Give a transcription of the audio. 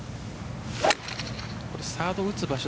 サードを打つ場所